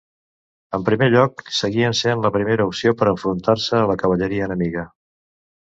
En primer lloc, seguien sent la primera opció per enfrontar-se a la cavalleria enemiga.